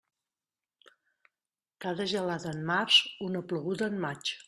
Cada gelada en març, una ploguda en maig.